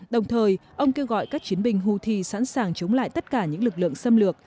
đồng thời ông kêu gọi các chiến binh houthi sẵn sàng chống lại tất cả những lực lượng xâm lược